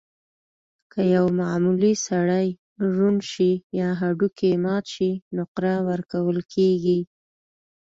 که یو معمولي سړی ړوند شي یا هډوکی یې مات شي، نقره ورکول کېږي.